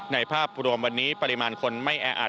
ภาพรวมวันนี้ปริมาณคนไม่แออัด